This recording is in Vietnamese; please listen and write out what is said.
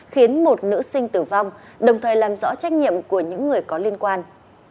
khiến một nữ sinh tử vong đồng thời làm rõ trách nhiệm của những người có liên quan